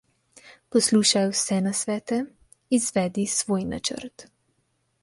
Poslušaj vse nasvete, izvedi svoj načrt.